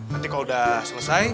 nanti kalau udah selesai